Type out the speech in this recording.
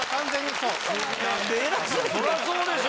そらそうでしょ。